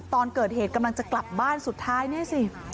ตอนเกิดเหตุกำลังจะกลับบ้านสุดท้ายเนี่ยสิ